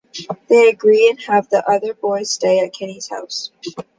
They agree and have the other boys stay at Kenny's house.